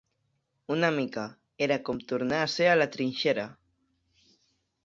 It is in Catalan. Una mica, era com tornar a ser a la trinxera